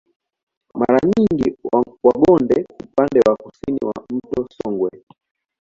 Mara nyingi Wagonde upande wa kusini wa mto Songwe